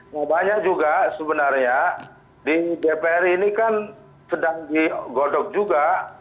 nah banyak juga sebenarnya di dpr ini kan sedang digodok juga